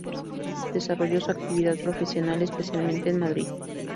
Desarrolló su actividad profesional especialmente en Madrid.